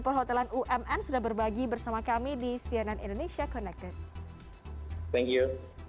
perhotelan umn sudah berbagi bersama kami di cnn indonesia connected thank you